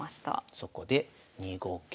そこで２五桂。